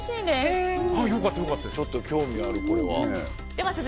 ちょっと興味ある、これは。